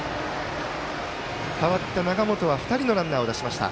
代わった永本は２人のランナーを出しました。